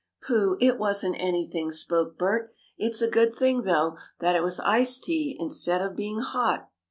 "Pooh! It wasn't anything," spoke Bert. "It's a good thing, though, that it was iced tea, instead of being hot."